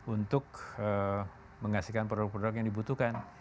untuk menghasilkan produk produk yang dibutuhkan